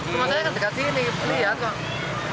rumah saya kan dekat sini lihat kok